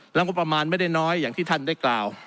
แล้วงบประมาณไม่ได้น้อยอย่างที่ท่านได้กล่าว